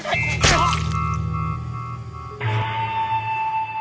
あっ。